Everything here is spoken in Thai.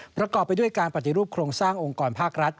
ประกอบไปด้วยการปฏิรูปโครงสร้างองค์กรภาครัฐ